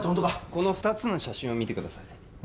この２つの写真を見てくださいあ